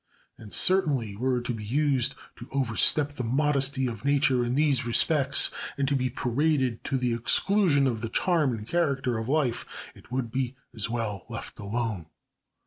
And certainly, were it to be used to overstep the modesty of nature in these respects and to be paraded to the exclusion of the charm and character of life, it would be as well left alone.